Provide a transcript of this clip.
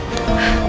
sobat seberang kita